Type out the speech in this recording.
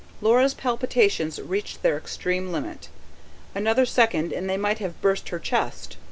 Laura's palpitations reached their extreme limit another second and they might have burst her chest.